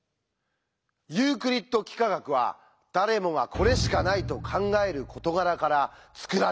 ユークリッド幾何学は誰もが「これしかない」と考える事柄から作られたって。